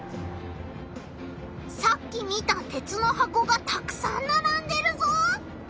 さっき見た鉄の箱がたくさんならんでるぞ！